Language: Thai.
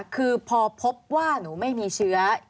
คือพอพบว่าหนูไม่มีเชื้อ